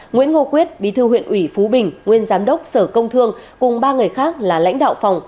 nguyễn ngô quyết bí thư huyện ủy phú bình nguyên giám đốc sở công thương cùng ba người khác là lãnh đạo phòng